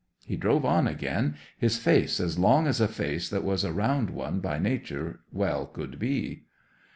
He drove on again, his face as long as a face that was a round one by nature well could be.